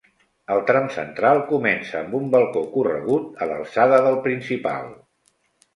El tram central comença amb un balcó corregut a l'alçada del principal.